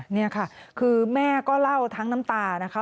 นี่ค่ะคือแม่ก็เล่าทั้งน้ำตานะคะ